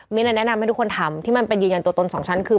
มีอะไรแนะนำให้ทุกคนทำที่มันเป็นยืนยันตัวตนสองชั้นคือ